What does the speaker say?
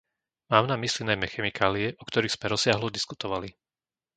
Mám na mysli najmä chemikálie, o ktorých sme rozsiahlo diskutovali.